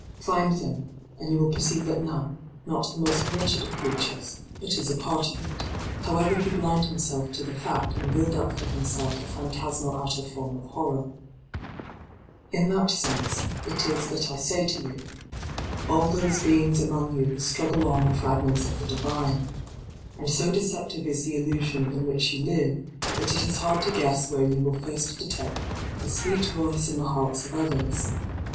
Find them, and you will perceive that none, not the most wretched of creatures, but is a part of it, however he blind himself to the fact and build up for himself a phantasmal outer form of horror. In that sense it is that I say to you — All those beings among you who struggle on are fragments of the Divine. And so deceptive is the illusion in which you live, that it is hard to guess where you will first detect the sweet voice in the hearts of others.